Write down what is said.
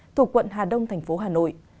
thuộc quận hà đông thành phố hà nội